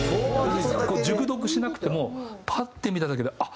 熟読しなくてもパッて見ただけであっ